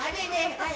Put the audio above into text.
はい。